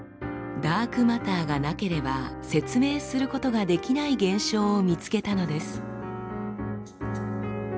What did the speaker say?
ダークマターがなければ説明することができない現象を見つけたのです。